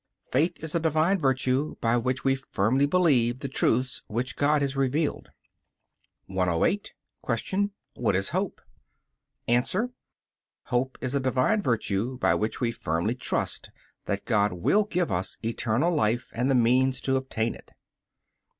Faith is a Divine virtue by which we firmly believe the truths which God has revealed. 108. Q. What is Hope? A. Hope is a Divine virtue by which we firmly trust that God will give us eternal life and the means to obtain it.